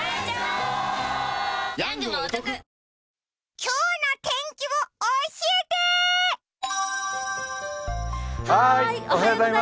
今日の天気を教えて！